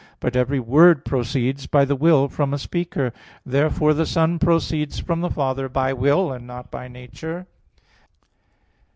But every word proceeds by the will from a speaker. Therefore the Son proceeds from the Father by will, and not by nature.